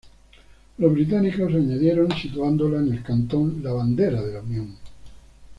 Los británicos añadieron, situándola en el cantón, la Bandera de la Unión.